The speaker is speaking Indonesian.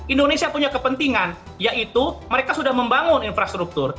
indonesia punya kepentingan yaitu mereka sudah membangun infrastruktur